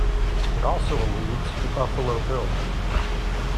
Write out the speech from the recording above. It also alludes to Buffalo Bill.